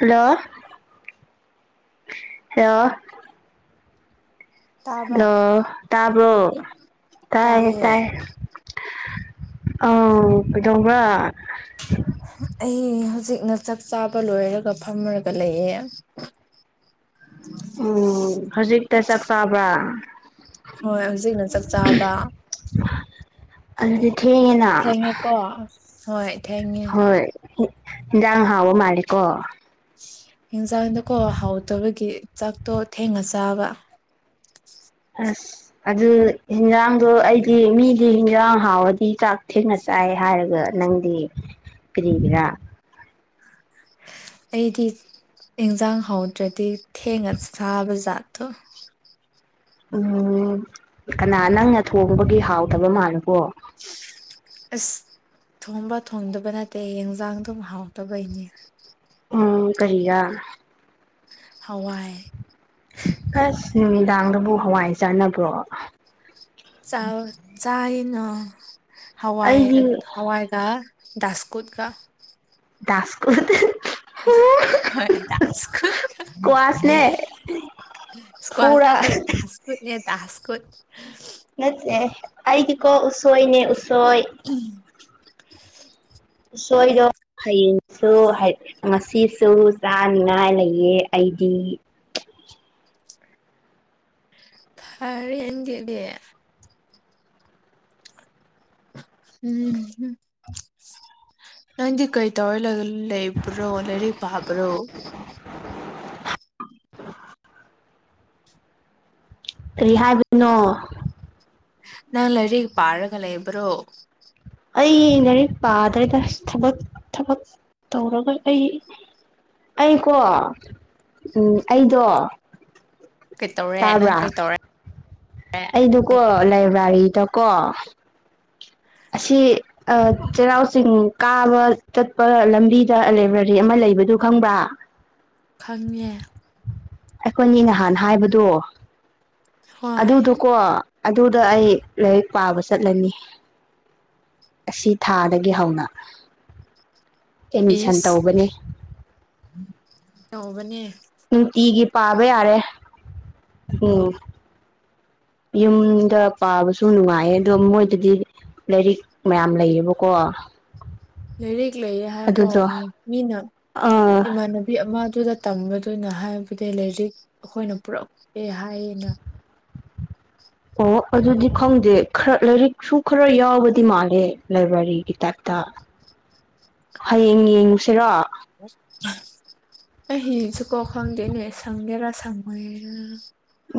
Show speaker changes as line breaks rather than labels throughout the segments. Hello hello
ꯇꯥꯕ꯭ꯔꯥ
ꯂꯣ ꯇꯥꯕꯔꯣ ꯇꯥꯏ ꯇꯥꯏꯌꯦ ꯑꯧ ꯀꯩꯗꯧꯕꯔ
ꯑꯩ ꯍꯧꯖꯤꯛꯅ ꯆꯥꯛ ꯆꯥꯕ ꯂꯣꯏꯔꯒ ꯐꯝꯃꯨꯔꯒ ꯂꯩꯌꯦ
ꯎꯝ ꯍꯧꯖꯤꯛꯇ ꯆꯥꯛ ꯆꯥꯕ꯭ꯔꯥ
ꯍꯣꯏ ꯍꯧꯖꯤꯛꯅ ꯆꯥꯛ ꯆꯥꯕ
ꯑꯗꯨꯗꯤ ꯊꯦꯡꯉꯤꯅ
ꯊꯦꯡꯉꯦꯀꯣ ꯍꯣꯏ ꯊꯦꯡꯉꯦ
ꯍꯣꯏ ꯍꯤꯟꯖꯥꯡ ꯍꯥꯎꯕ ꯃꯥꯂꯤꯀꯣ
ꯍꯦꯟꯖꯥꯡꯗꯣꯀꯣ ꯍꯥꯎꯇꯕꯒꯤ ꯆꯥꯛꯇꯣ ꯊꯦꯡꯅ ꯆꯥꯕ
ꯑꯁ ꯑꯗꯨ ꯍꯤꯟꯖꯥꯡꯗꯣ ꯑꯩꯗꯤ ꯃꯤꯗꯤ ꯍꯤꯟꯖꯥꯡ ꯍꯥꯎꯔꯗꯤ ꯆꯥꯛ ꯊꯦꯡꯅ ꯆꯥꯏ ꯍꯥꯏꯔꯒ ꯅꯪꯗꯤ ꯀꯔꯤꯒꯤꯔꯥ
ꯑꯩꯗꯤ ꯏꯟꯖꯥꯡ ꯍꯧꯗ꯭ꯔꯗꯤ ꯊꯦꯡꯅ ꯆꯥꯕ ꯖꯥꯠꯇꯣ
ꯎꯝ ꯀꯅꯥ ꯅꯪꯅ ꯊꯣꯡꯕꯒꯤ ꯍꯥꯎꯗꯕ ꯃꯥꯜꯂꯤꯀꯣ
ꯑꯁ ꯊꯣꯡꯕ ꯊꯣꯡꯗꯕ ꯅꯠꯇꯦ ꯍꯦꯟꯖꯥꯡ ꯑꯗꯨꯝ ꯍꯥꯎꯇꯕꯩꯅꯦ
ꯎꯝ ꯀꯔꯤꯔꯥ
ꯍꯋꯥꯏ
ꯑꯁ ꯅꯨꯃꯤꯗꯥꯡꯗꯕꯨ ꯍꯋꯥꯏ ꯆꯥꯅꯕ꯭ꯔꯣ
ꯆꯥꯕ ꯆꯥꯏꯅ ꯍꯋꯥꯏ
ꯑꯩꯗꯤ
ꯍꯋꯥꯏꯒ ꯗꯥꯁꯀꯨꯠꯒ
ꯗꯥꯁꯀꯨꯠ [unintelligible]
ꯍꯣꯏ ꯗꯥꯁꯀꯨꯠ
ꯀꯋꯥꯥꯁꯅꯦ ꯄꯨꯔ
ꯀꯨꯠꯅꯦ ꯗꯥꯁꯀꯨꯠ
ꯅꯠꯇꯦ ꯑꯩꯒꯤꯀꯣ ꯎꯁꯣꯏꯅꯦ ꯎꯁꯣꯏ
[unintelligible]
ꯎꯁꯣꯏꯗꯣ ꯍꯌꯦꯡꯁꯨ ꯉꯁꯤꯁꯨ ꯆꯥꯅꯤꯡꯉꯥꯏ ꯂꯩꯌꯦ ꯑꯩꯗꯤ
[unintelligible] ꯎꯝ ꯅꯪꯗꯤ ꯀꯩ ꯇꯧꯔ ꯂꯩꯕ꯭ꯔꯣ ꯂꯥꯏꯔꯤꯛ ꯄꯥꯕ꯭ꯔꯣ
ꯀꯔꯤ ꯍꯥꯏꯕꯅꯣ
ꯅꯪ ꯂꯥꯏꯔꯤꯛ ꯄꯥꯔꯒ ꯂꯩꯕꯔꯣ
ꯑꯩꯩꯂꯥꯏꯔꯤꯛ ꯄꯥꯗ꯭ꯔꯦꯗ ꯊꯕꯛ ꯊꯕꯛ ꯇꯧꯔꯒ ꯑꯩ ꯑꯩꯀꯣ ꯎꯝ ꯑꯩꯗꯣ
ꯀꯩꯇꯧꯔꯦ ꯅꯪ
ꯇꯥꯕ꯭ꯔꯥ
ꯀꯩꯇꯧꯔꯦ
ꯑꯩꯗꯣꯀꯣ ꯂꯥꯏꯔꯥꯔꯤꯗ ꯀꯣ ꯑꯁꯤ ꯑꯥ ꯆꯩꯔꯥꯎ ꯆꯤꯡ ꯀꯥꯕ ꯆꯠꯄ ꯂꯝꯕꯤꯗ ꯂꯥꯏꯕ꯭ꯔꯦꯔꯤ ꯑꯃ ꯂꯩꯕꯗꯨ ꯈꯪꯕ꯭ꯔꯥ [inaudible]
ꯈꯪꯉꯦ
ꯑꯈꯣꯏꯅꯤ ꯅꯍꯥꯟ ꯍꯥꯏꯕꯗꯣ
ꯍꯣꯏ
ꯑꯗꯨꯗꯨꯀꯣ ꯑꯗꯨꯗ ꯑꯩ ꯂꯥꯏꯔꯤꯛ ꯄꯥꯕ ꯆꯠꯂꯅꯤ ꯑꯁꯤ ꯊꯥꯗꯒꯤ ꯍꯧꯅ ꯑꯦꯠꯃꯤꯁꯟ
ꯏꯁ
ꯇꯧꯕꯅꯤ
ꯇꯧꯕꯅꯦ
ꯅꯨꯡꯇꯤꯒꯤ ꯄꯥꯕ ꯌꯥꯔꯦ ꯎꯝ ꯌꯨꯝꯗ ꯄꯥꯕꯁꯨ ꯅꯨꯡꯉꯥꯏꯌꯦ ꯑꯗꯣ ꯃꯣꯏꯗꯗꯤ ꯂꯥꯏꯔꯤꯛ ꯃꯌꯥꯝ ꯂꯩꯌꯦꯕꯀꯣ
ꯂꯥꯏꯔꯤꯛ ꯂꯩꯌꯦ ꯍꯥꯏꯕ
ꯑꯗꯨꯗꯣ
ꯃꯤꯅ
ꯑꯥ
ꯏꯃꯥꯟꯅ ꯅꯨꯄꯤ ꯑꯃꯗꯨꯗ ꯇꯝꯕꯗꯨꯅ ꯍꯥꯏꯕꯗꯤ ꯂꯥꯏꯔꯤꯛ ꯑꯩꯈꯣꯏꯅ ꯄꯨꯔꯛꯑꯦ ꯍꯥꯏꯌꯦꯅ
ꯑꯣ ꯑꯗꯨꯗꯤ ꯈꯪꯗꯦ ꯈꯔ ꯂꯥꯏꯔꯤꯛꯁꯨ ꯈꯔ ꯌꯥꯎꯕꯗꯤ ꯃꯥꯜꯂꯦ ꯂꯥꯏꯕ꯭ꯔꯦꯔꯤꯒꯤ ꯇꯥꯏꯞꯇ ꯍꯌꯦꯡ ꯌꯦꯡꯉꯨꯁꯤꯔꯣ
ꯑꯩ ꯍꯌꯦꯡꯁꯤꯀꯣ ꯈꯪꯗꯅꯦ ꯁꯪꯒꯦꯔ ꯁꯪꯉꯣꯏꯔ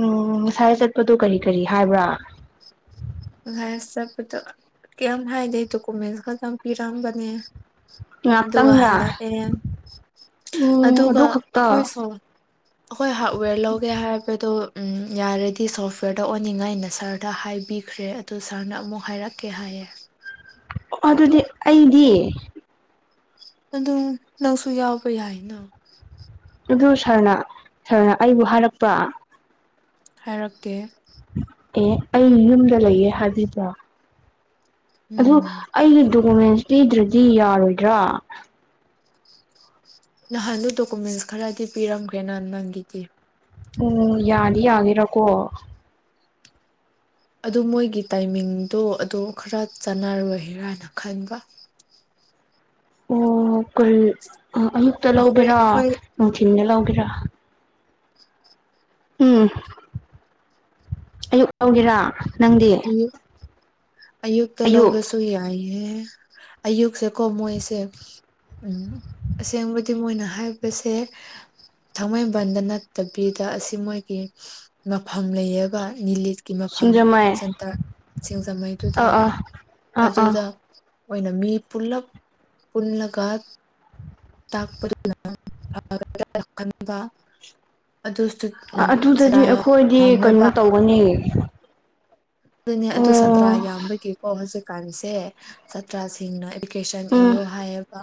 ꯎꯝ ꯉꯁꯥꯏ ꯆꯠꯄꯗꯨ ꯀꯔꯤ ꯀꯔꯤ ꯍꯥꯏꯕ꯭ꯔꯥ
ꯉꯁꯥꯏ ꯆꯠꯄꯗꯨ ꯀꯌꯥꯝ ꯍꯥꯏꯗꯦ ꯗꯣꯀꯨꯃꯦꯟꯁ ꯈꯛꯇꯪ ꯄꯤꯔꯝꯕꯅꯦ ꯑꯗꯨꯒ
ꯉꯥꯛꯇꯪꯔꯥ
ꯍꯜꯂꯛꯑꯦ
ꯎꯝ
ꯑꯗꯨꯒ
ꯑꯗꯨ ꯈꯛꯇ
ꯑꯩꯈꯣꯏ ꯁꯣꯝ ꯑꯩꯈꯣꯏ ꯍꯥꯔꯗꯋꯦꯔ ꯂꯧꯒꯦ ꯍꯥꯏꯕꯗꯣ ꯎꯝ ꯌꯥꯔꯗꯤ ꯁꯣꯐꯋꯦꯔꯗ ꯑꯣꯅꯤꯡꯉꯥꯏꯅ ꯁꯥꯔꯗ ꯍꯥꯏꯕꯤ ꯈ꯭ꯔꯦ ꯑꯗꯨ ꯁꯥꯔꯅ ꯑꯃꯨꯛ ꯍꯥꯏꯔꯛꯀꯦ ꯍꯥꯏꯌꯦ
ꯑꯣ ꯑꯗꯨꯗꯤ ꯑꯩꯗꯤ
ꯑꯗꯨ ꯅꯪꯁꯨ ꯌꯥꯎꯕ ꯌꯥꯏꯅ
ꯑꯗꯨ ꯁꯥꯔꯅ ꯁꯥꯔꯅ ꯑꯩꯕꯨ ꯍꯥꯏꯔꯛꯄ
ꯍꯥꯏꯔꯛꯇꯦ
ꯑꯦ ꯑꯩ ꯌꯨꯝꯗ ꯂꯩꯌꯦ ꯍꯥꯏꯕꯤꯕ꯭ꯔꯣ ꯑꯗꯨ
ꯎꯝ
ꯑꯩꯒꯤ ꯗꯣꯀꯨꯃꯦꯟꯁ ꯄꯤꯗ꯭ꯔꯗꯤ ꯌꯥꯔꯣꯏꯗ꯭ꯔꯥ
ꯅꯍꯥꯟꯗꯨ ꯗꯣꯀꯨꯃꯦꯟꯁ ꯈꯔꯗꯤ ꯄꯤꯔꯝꯈ꯭ꯔꯦꯅ ꯅꯪꯒꯤꯗꯤ
ꯎꯝ ꯌꯥꯗꯤ ꯌꯥꯒꯦꯔꯀꯣ
ꯑꯗꯨ ꯃꯣꯏꯒꯤ ꯇꯥꯏꯃꯤꯡꯗꯣ ꯑꯗꯨ ꯈꯔ ꯆꯥꯟꯅꯔꯣꯏꯔꯅ ꯈꯟꯕ
ꯑꯣ ꯀꯔꯤ ꯑ ꯑꯌꯨꯛꯇ
ꯑꯩꯈꯣꯏ
ꯂꯧꯒꯦꯔꯥ
ꯑꯩꯈꯣꯏ
ꯅꯨꯡꯊꯤꯟꯗ ꯂꯧꯒꯦꯔꯥ ꯎꯝ ꯑꯌꯨꯛ ꯂꯧꯒꯦꯔꯥ ꯅꯪꯗꯤ
ꯑꯌꯨꯛꯇ
ꯑꯌꯨꯛ
ꯂꯧꯔꯁꯨ ꯁꯨ ꯌꯥꯏꯌꯦ ꯑꯌꯨꯛꯁꯦ ꯀꯣ ꯃꯣꯏꯁꯦ ꯎꯝ ꯑꯁꯦꯡꯕꯗꯤ ꯃꯣꯏꯅ ꯍꯥꯏꯕꯁꯦ ꯊꯥꯡꯃꯩꯕꯟꯗ ꯅꯠꯇꯕꯤꯗ ꯑꯁꯤ ꯃꯣꯏꯒꯤ ꯃꯐꯝ ꯂꯩꯌꯦꯕ ꯅꯤꯂꯤꯠ ꯀꯤ ꯃꯐꯝ
ꯁꯤꯡꯖꯃꯩ
ꯁꯦꯟꯇꯔ ꯁꯤꯡꯖꯃꯩꯗꯨꯗ
ꯑꯥ ꯑꯥ ꯑꯥ
ꯑꯗꯨꯗ
ꯑꯥ
ꯑꯣꯏꯅ ꯃꯤ ꯄꯨꯜꯂꯞ ꯄꯨꯜꯂꯒ ꯇꯥꯛꯄꯗꯨꯅ ꯐꯒꯗ꯭ꯔ ꯈꯟꯕ ꯑꯗꯨꯁꯨ
ꯑꯗꯨꯗꯗꯤ
ꯁꯥꯇ꯭ꯔꯥ
ꯑꯩꯈꯣꯏꯗꯤ
ꯌꯥꯝꯃꯦꯕ
ꯀꯩꯅꯣ ꯇꯧꯒꯅꯤ
ꯑꯗꯨꯅꯦ ꯑꯗꯨ ꯁꯥꯇ꯭ꯔꯥ
ꯑꯣ
ꯌꯥꯝꯕꯒꯤꯀꯣ ꯍꯧꯖꯤꯛꯀꯥꯟꯁꯦ ꯁꯥꯇ꯭ꯔꯥꯁꯤꯡꯅ ꯀꯦꯁꯟ
ꯎꯝ
ꯏꯌꯣ ꯍꯥꯏꯌꯦꯕ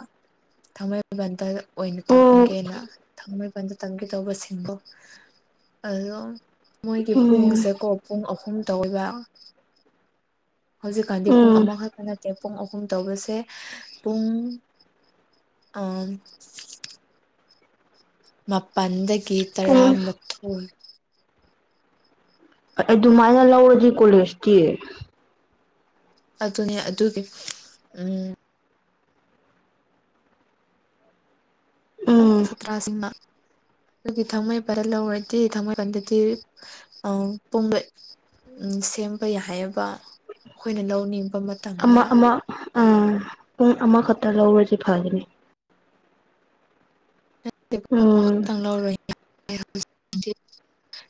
ꯊꯥꯡꯃꯩꯕꯟꯗ ꯑꯣꯏꯅ
ꯑꯣ
ꯇꯝꯒꯦꯅ ꯊꯥꯡꯃꯩꯕꯟꯗ ꯇꯝꯒꯦ ꯇꯧꯕꯁꯤꯡꯗꯨ ꯑꯗꯨꯝ ꯃꯣꯏꯒꯤ
ꯎꯝ
ꯄꯨꯡꯁꯦꯀꯣ ꯄꯨꯡ ꯑꯍꯨꯝ ꯇꯧꯋꯦꯕ ꯍꯧꯖꯤꯛꯀꯥꯟꯗꯤ ꯄꯨꯡ
ꯎꯝ
ꯑꯃꯈꯛꯇ ꯅꯠꯇꯦ ꯄꯨꯡ ꯑꯍꯨꯝ ꯇꯧꯕꯁꯦ ꯄꯨꯡ ꯑ ꯃꯥꯄꯟꯗꯒꯤ
ꯄꯨꯡ
ꯇꯔꯥꯃꯊꯣꯏ
ꯑꯗꯨꯃꯥꯏꯅ ꯂꯧꯔꯗꯤ ꯀꯣꯂꯦꯖꯇꯤ
ꯑꯗꯨꯅꯦ ꯑꯗꯨꯒꯤ ꯎꯝ
ꯎꯝ
ꯁꯇ꯭ꯔꯥꯁꯤꯡꯅ ꯑꯗꯨꯗꯤ ꯊꯥꯡꯃꯩꯕꯟ ꯂꯧꯔꯗꯤ ꯊꯥꯡꯃꯩꯕꯟꯗꯗꯤ ꯄꯨꯡꯗ ꯎꯝ ꯁꯦꯝꯕ ꯌꯥꯏꯑꯦꯕ ꯑꯩꯈꯣꯏꯅ ꯂꯧꯅꯤꯡꯕ ꯃ
ꯑꯃ ꯑꯃ ꯑꯥ ꯄꯨꯡ ꯑꯃꯈꯛꯇ ꯂꯧꯔꯁꯦ ꯐꯒꯅꯤ ꯎꯝ
ꯑꯃꯈꯛꯇꯪ ꯂꯧꯔꯣꯏ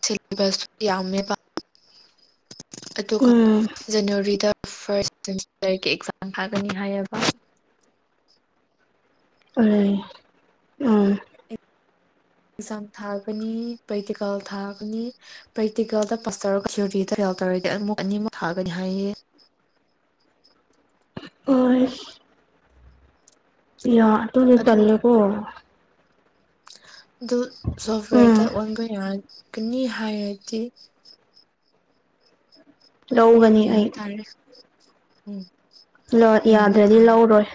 ꯁꯤꯂꯦꯕꯁ [inaudible] ꯑꯗꯨꯒ
ꯎꯝ
ꯖꯅꯋꯥꯔꯤꯗ ꯐꯥꯔꯁ ꯁꯦꯃꯤꯁꯇꯔꯒꯤ ꯑꯦꯛꯖꯥꯝ ꯊꯥꯀꯅꯤ ꯍꯥꯏꯑꯦꯕ
ꯑ ꯎꯝ
ꯏꯛꯖꯝ ꯊꯥꯒꯅꯤ ꯄ꯭ꯔꯦꯛꯇꯤꯀꯥꯜ ꯊꯥꯒꯅꯤ ꯄ꯭ꯔꯦꯛꯇꯤꯀꯦꯜꯗ ꯄꯥꯁ ꯇꯧꯔꯒ [inaudible] ꯇꯧꯔꯒꯗꯤ ꯑꯃꯨꯛ ꯑꯅꯤꯃꯨꯛ ꯊꯥꯒꯅꯤ ꯍꯥꯏꯑꯦ
ꯑꯣꯏ ꯌꯥ ꯇꯨꯅ
ꯑꯗꯨ
ꯇꯜꯂꯦꯀꯣ
ꯑꯗꯨ ꯁꯣꯐꯋꯦꯔꯗ
ꯎꯝ
ꯑꯣꯟꯕ ꯌꯥꯒꯅꯤ ꯍꯥꯏꯔꯗꯤ
ꯂꯧꯒꯅꯤ
ꯌꯦꯡꯕ
ꯑꯩ
ꯇꯥꯔꯦ ꯎꯝ
ꯂꯣꯠ
ꯌꯦꯡꯕ
ꯌꯥꯗ꯭ꯔꯗꯤ
ꯇꯥꯔꯦ
ꯂꯧꯔꯣꯏ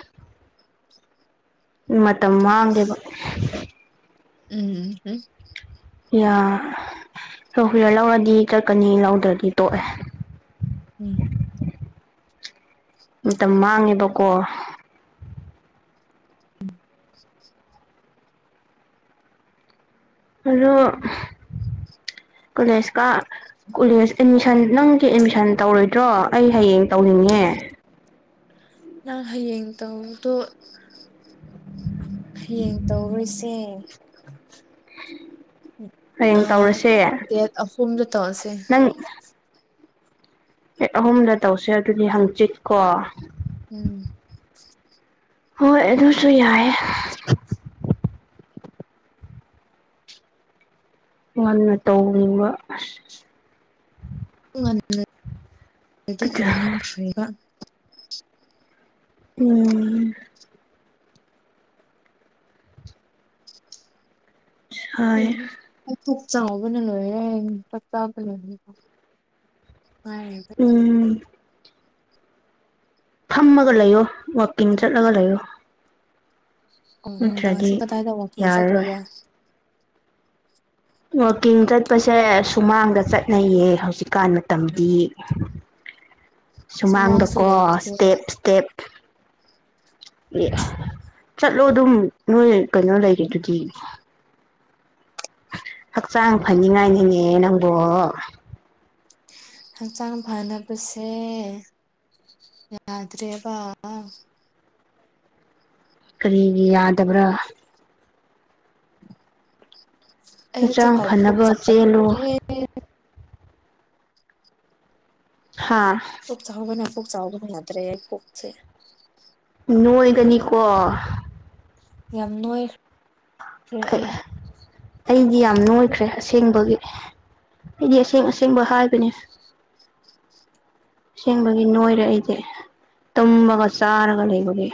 ꯃꯇꯝ ꯃꯥꯡꯗꯦꯕ
ꯎꯝ
ꯌꯥ ꯍꯣꯏ [inaudible] ꯂꯧꯔꯗꯤ ꯆꯠꯀꯅꯤ ꯂꯧꯗ꯭ꯔꯗꯤ ꯇꯣꯛꯑꯦ
ꯎꯝ
ꯃꯇꯝ ꯃꯥꯡꯉꯦꯕꯀꯣ ꯑꯗꯨ ꯀꯂꯦꯖ ꯀꯥ ꯀꯣꯂꯦꯖ ꯑꯦꯠꯃꯤꯁꯟ ꯅꯪꯒꯤ ꯑꯦꯠꯃꯤꯁꯟ ꯇꯧꯔꯣꯏꯗ꯭ꯔꯣ ꯑꯩ ꯍꯌꯦꯡ ꯇꯧꯅꯤꯡꯉꯦ
ꯅꯪ ꯍꯌꯦꯡ ꯇꯧꯗꯣ ꯍꯌꯦꯡ ꯇꯧꯔꯣꯏꯁꯦ
ꯍꯌꯦꯡ
ꯑ
ꯇꯧꯔꯁꯦ
ꯗꯦꯠ ꯑꯍꯨꯝꯗ ꯇꯧꯁꯦ
ꯍ ꯑꯍꯨꯝꯗ ꯇꯧꯁꯦ ꯑꯗꯨꯗꯤ ꯍꯪꯆꯤꯠꯀꯣ
ꯎꯝ
ꯍꯣꯏ ꯑꯗꯨꯁꯨ ꯌꯥꯏꯑꯦ
[unintelligible]
ꯉꯟꯅ ꯇꯧꯅꯤꯡꯕ
ꯉꯟꯅꯗꯤ ꯇꯧꯅꯤꯡꯈ꯭ꯔꯦꯕ
ꯎꯝ ꯁꯥꯏ
ꯊꯣꯛ ꯆꯥꯎꯕꯅ ꯂꯣꯏꯔꯦ ꯌꯦꯡ ꯆꯥꯛ ꯆꯥꯕ ꯂꯣꯏꯔꯦ ꯉꯥꯏꯔꯦ
ꯎꯝ ꯐꯝꯃꯒ ꯂꯩꯌꯣ ꯋꯥꯛꯀꯤꯡ ꯆꯠꯂꯒ ꯂꯩꯌꯣ
ꯑꯣ ꯅꯨꯡꯗꯥꯡꯁꯤ
ꯅꯠꯇ꯭ꯔꯗꯤ
ꯀꯇꯥꯏꯗ ꯋꯥꯀꯤꯡ
ꯌꯥꯔꯔꯣꯏ
ꯆꯠꯇꯣꯏꯕ꯭ꯔꯥ
ꯋꯥꯛꯀꯤꯡ ꯆꯠꯄꯁꯦ ꯁꯨꯃꯥꯡꯗ ꯆꯠꯅꯩꯌꯦ ꯍꯧꯖꯤꯛꯀꯥꯟ ꯃꯇꯝꯗꯤ
ꯁꯨꯃꯥꯡꯁꯨ
ꯁꯨꯃꯥꯡꯗꯀꯣ
ꯂꯩꯇꯦꯕ
ꯏꯁꯇꯦꯞ ꯏꯁꯇꯦꯞ ꯑꯦ ꯆꯠꯂꯣ ꯑꯗꯨꯝ ꯅꯣꯏ ꯀꯩꯅꯣ ꯂꯩꯔꯤꯗꯨꯗꯤ ꯍꯛꯆꯥꯡ ꯐꯅꯤꯡꯉꯥꯏꯅꯤꯅꯦ ꯅꯪꯕꯣ
ꯍꯛꯆꯥꯡ ꯐꯅꯕꯁꯦ ꯌꯥꯗ꯭ꯔꯦꯕ
ꯀꯔꯤꯒꯤ ꯌꯥꯗꯕ꯭ꯔꯥ
ꯑꯩ
ꯍꯛꯆꯥꯡ
ꯍꯧꯖꯤꯛꯀꯥꯟ ꯄꯨꯛ
ꯐꯅꯕ ꯆꯦꯜꯂꯨ
ꯆꯥꯎꯔꯦ
ꯍꯥꯥ
ꯄꯨꯛ ꯆꯥꯎꯕꯅꯦ ꯄꯨꯛ ꯆꯥꯎꯕꯅ ꯌꯥꯗ꯭ꯔꯦ ꯄꯨꯛꯁꯦ
ꯅꯣꯏꯒꯅꯤꯀꯣ
ꯌꯥꯝ ꯅꯣꯏ
[unintelligible] ꯑꯩꯗꯤ ꯌꯥꯝ ꯅꯣꯏꯈ꯭ꯔꯦ ꯑꯁꯦꯡꯕꯒꯤ ꯍꯣꯢꯗꯤ ꯑꯁꯦꯡ ꯑꯁꯦꯡꯕ ꯍꯥꯏꯕꯅꯤ ꯁꯦꯡꯕꯒꯤ ꯅꯣꯏꯔꯦ ꯑꯩꯗꯤ ꯇꯨꯝꯃꯒ ꯆꯥꯔꯒ ꯂꯩꯕꯒꯤ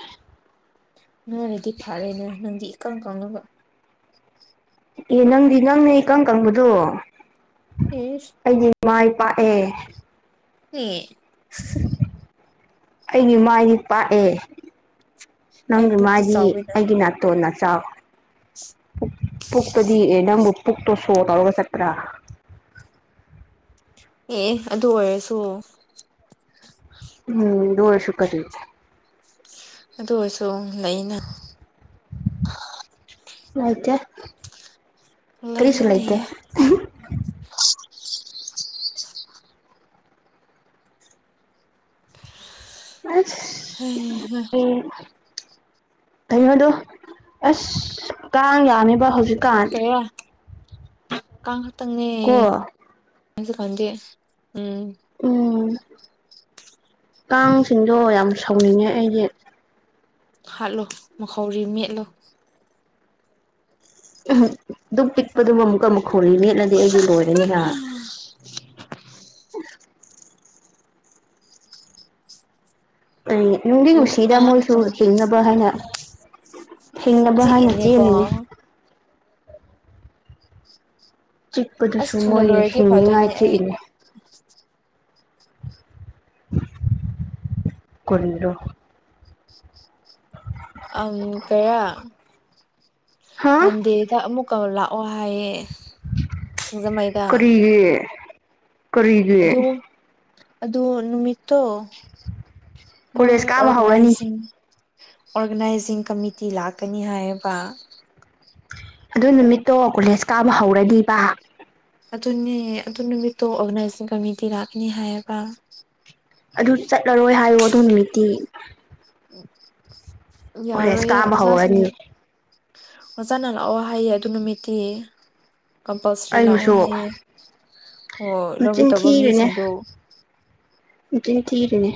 ꯅꯣꯏꯔꯗꯤ ꯐꯔꯦꯅꯦ ꯅꯪꯗꯤ ꯏꯀꯪ ꯀꯪꯉꯒ
ꯑꯦ ꯅꯪꯗꯤ ꯅꯪꯅꯦ ꯏꯀꯪ ꯀꯪꯕꯗꯨ
ꯏꯁ
ꯑꯩꯗꯤ ꯃꯥꯏ ꯄꯥꯛꯑꯦ
[unintelligible]
ꯑꯩꯗꯤ ꯃꯥꯏꯗꯤ ꯄꯥꯛꯑꯦ
ꯑꯩ
ꯅꯪꯒꯤ
ꯄꯨꯛꯇꯤ
ꯃꯥꯏꯗꯤ
ꯆꯥꯎꯋꯤꯅ
ꯑꯩꯒꯤ ꯅꯥꯇꯣꯟꯅ ꯆꯥꯎ ꯄꯨꯛ ꯄꯨꯛꯇꯗꯤ ꯑꯦ ꯅꯪꯕꯨ ꯄꯨꯛꯇꯣ ꯁꯣ ꯇꯧꯔꯒ ꯆꯠꯄ꯭ꯔ
ꯑꯦ ꯑꯗꯨ ꯑꯣꯏꯔꯁꯨ
ꯎꯝ ꯗꯨ ꯑꯣꯏꯔꯁꯨ ꯀꯔꯤ
ꯑꯗꯨ ꯑꯣꯏꯁꯨ ꯂꯩꯅ
ꯂꯩꯇꯦ ꯀꯔꯤꯁꯨ
ꯂꯩꯌꯦ
ꯂꯩꯇꯦ
ꯂꯩꯌꯦ
ꯑꯁ
ꯍꯩꯍꯥ
ꯏ ꯀꯩꯅꯣꯗꯣ ꯑꯁ ꯀꯥꯡ ꯌꯥꯝꯃꯦꯕ ꯍꯧꯖꯤꯛ
ꯀꯩꯔ ꯀꯥꯡ ꯈꯛꯇꯪꯅꯦ
ꯀꯣ
ꯑꯩꯖꯨ ꯈꯪꯗꯦ ꯎꯝ
ꯎꯝ ꯀꯥꯡꯁꯤꯡꯗꯣ ꯌꯥꯝ ꯁꯥꯎꯅꯤꯡꯉꯦ ꯑꯩꯗꯤ
ꯍꯥꯠꯂꯨ ꯃꯈꯧꯔꯤ ꯃꯦꯠꯂꯨ
[unintelligible] ꯗꯨꯛ ꯄꯤꯛꯄꯗꯨꯃ ꯃꯨꯛꯀ ꯃꯈꯧꯔꯤ ꯃꯦꯠꯂꯗꯤ ꯑꯩꯗꯤ ꯂꯣꯏꯔꯅꯦ ꯍꯥ
[unintelligible]
ꯎꯝ ꯅꯨꯡꯗꯤ
ꯑꯗꯨ
ꯅꯨꯡꯁꯤꯗ
ꯑ
ꯃꯣꯏꯁꯨ ꯍꯤꯡꯅꯕ ꯍꯏꯅ ꯍꯤꯡꯅꯕ ꯍꯥꯏꯅ
ꯆꯤꯛꯏꯅꯦꯀꯣ
ꯆꯦꯜꯂꯤꯅꯦ
ꯑꯁ
ꯆꯤꯛꯄꯗꯨꯁꯨ
ꯊꯨꯅ
ꯃꯣꯏ
ꯂꯣꯏꯔꯗꯤ
ꯍꯤꯡꯅꯤꯡꯉꯥꯏ
ꯐꯗꯣꯏꯅꯦ ꯑꯩ
ꯆꯤꯛꯏꯅꯦ [unintelligible] ꯀꯔꯤꯔꯥ
ꯑꯪ ꯀꯩꯔꯥ
ꯍꯥ
ꯃꯟꯗꯦꯗ ꯑꯃꯨꯛꯀ ꯂꯥꯛꯑꯣ ꯍꯥꯏꯌꯦ ꯁꯤꯡꯖꯃꯩꯗ
ꯌꯤ
ꯑꯗꯨ ꯑꯗꫭ ꯅꯨꯃꯤꯠꯇꯣ ꯃꯣꯏ
ꯀꯣꯂꯦꯖ ꯀꯥꯕ ꯍꯧꯔꯅꯤ
ꯑꯣꯔꯒꯅꯥꯏꯖꯤꯡ ꯑꯣꯔꯒꯅꯥꯏꯖꯤꯡ ꯀꯃꯤꯇꯤ ꯂꯥꯛꯀꯅꯤ ꯍꯥꯏꯌꯦꯕ
ꯑꯗꯨ ꯅꯨꯃꯤꯠꯇꯣ ꯀꯣꯂꯦꯖ ꯀꯥꯕ ꯍꯧꯔꯅꯤꯕ
ꯑꯗꯨꯅꯤ ꯑꯗꯨ ꯅꯨꯃꯤꯠꯇꯣ ꯑꯣꯔꯒꯅꯥꯏꯖꯤꯡ ꯀꯃꯤꯇꯤ ꯂꯥꯛꯅꯤ ꯍꯥꯏꯌꯦꯕ
ꯑꯗꯨ ꯆꯠꯂꯔꯣꯏ ꯍꯥꯏꯌꯣ ꯑꯗꯨ ꯅꯨꯃꯤꯠꯇꯤ ꯀꯣꯂꯦꯖ
ꯌꯥꯔꯣꯏꯌꯦ
ꯀꯥꯕ ꯍꯧꯔꯅꯤ
ꯑꯣꯖꯥꯁꯤꯡꯅ ꯑꯣꯖꯥꯅ ꯂꯥꯛꯑꯣ ꯍꯥꯏꯌꯦ ꯑꯗꯨ ꯅꯨꯃꯤꯠꯇꯤ꯫ ꯀꯝꯄꯜꯁ꯭ꯔꯤ ꯂꯥꯛꯑꯣ
ꯑꯩꯕꯨꯁꯨ
ꯍꯥꯏꯌꯦ ꯑꯣ
ꯃꯆꯤꯟ
ꯂꯧꯒꯗꯧꯕ
ꯊꯤꯔꯤꯅꯦ
ꯃꯤꯁꯤꯡꯗꯣ
ꯃꯆꯤꯟ ꯊꯤꯔꯤꯅꯦ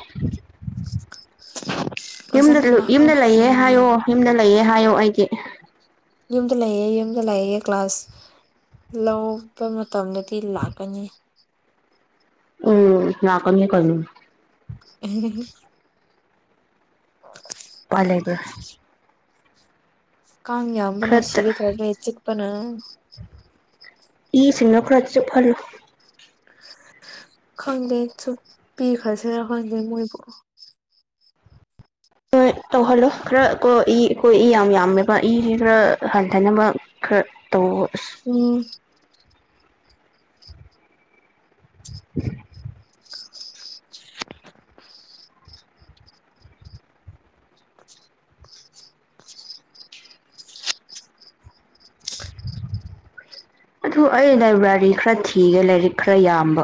ꯌꯨꯝꯗ
ꯑꯣꯖꯥꯅ
ꯂ
ꯂꯥꯛꯑꯣ
ꯌꯨꯝꯗ ꯂꯩꯌꯦ ꯍꯥꯏꯌꯣ
ꯎꯝ
ꯌꯨꯝꯗ ꯂꯩꯌꯦ ꯍꯥꯏꯌꯣ ꯑꯩꯒꯤ
ꯌꯨꯝꯗ ꯂꯩꯌꯦ ꯌꯨꯝꯗ ꯂꯩꯌꯦ ꯀ꯭ꯂꯥꯁ ꯂꯧ ꯄ ꯃꯇꯝꯗꯗꯤ ꯂꯥꯛꯀꯅꯤ
ꯎꯝ ꯂꯥꯛꯀꯅꯤ ꯀꯩꯅꯣ
[unintelligible]
[unintelligible]
ꯀꯥꯡ ꯌꯥꯝꯕꯅ
ꯈꯔ
ꯁꯤꯒꯦ ꯇꯧꯔꯦ ꯆꯤꯛꯄꯅ
ꯏ ꯁꯤꯡꯗꯣ ꯈꯔ ꯆꯨꯞꯍꯜꯂꯣ
ꯈꯪꯗꯦ ꯆꯨꯝ ꯄꯤꯈ꯭ꯔꯁꯤꯔ ꯈꯪꯗꯦ ꯃꯣꯏꯕꯨ
ꯍꯣꯏ ꯇꯧꯍꯜꯂꯣ ꯈꯔ ꯀꯣ ꯏ ꯑꯩꯈꯣꯏ ꯏ ꯌꯥꯝ ꯌꯥꯝꯃꯦꯕ ꯏꯁꯤ ꯈꯔ ꯍꯟꯊꯅꯕ ꯈꯔ ꯇꯩꯌꯣ ꯏꯁ
ꯎꯝ
ꯑꯗꯨ ꯑꯩ ꯂꯥꯏꯕ꯭ꯔꯥꯔꯤ ꯈꯔ ꯊꯤꯔ ꯂꯥꯏꯔꯤꯛ ꯈꯔ ꯌꯥꯝꯕ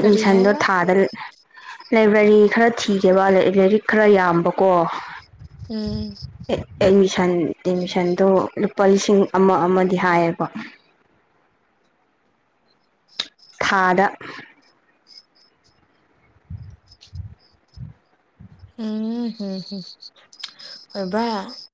ꯀꯔꯤ ꯍꯥꯏꯕ
ꯊꯥꯗ ꯂꯥꯏꯕ꯭ꯔꯦꯔꯤ ꯈꯔ ꯊꯤꯒꯦꯕ ꯂꯥꯏꯔꯤꯛ ꯈꯔ ꯌꯥꯝꯕꯀꯣ
ꯎꯝ
ꯑꯦꯠ ꯑꯦꯠꯃꯤꯁꯟ ꯑꯦꯠꯃꯤꯁꯟꯗꯣ ꯂꯨꯄꯥ ꯂꯤꯁꯤꯡ ꯑꯃ ꯑꯃꯗꯤ ꯍꯥꯏꯌꯦꯕ ꯊꯥꯗ [inaudible]
ꯎꯝ ꯍꯝ ꯍꯝ ꯑꯣꯏꯕ